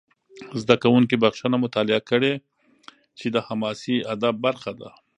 زده کوونکي بخښنه مطالعه کړي، چې د حماسي ادب برخه ده.